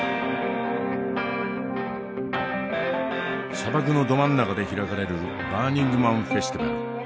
砂漠のど真ん中で開かれるバーニングマン・フェスティバル。